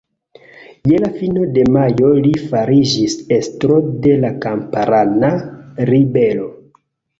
Je la fino de majo li fariĝis estro de la kamparana ribelo.